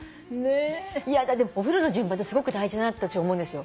いやお風呂の順番ってすごく大事だなって私思うんですよ。